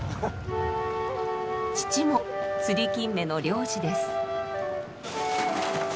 父もつりきんめの漁師です。